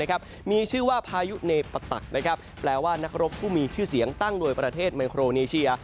มีชื่อว่าพายุเนปะตักแปลว่านักรบผู้มีชื่อเสียงตั้งโดยประเทศไมโครเนเชีย